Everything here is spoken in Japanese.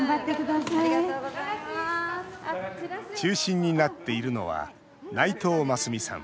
中心になっているのは内藤真澄さん。